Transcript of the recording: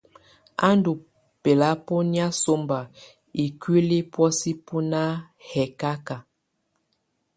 Á ndù bɛlabɔnɛ̀á sɔmba ikuili bɔ̀ósɛ bɔ nà hɛkaka.